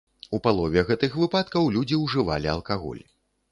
У палове гэтых выпадкаў людзі ўжывалі алкаголь.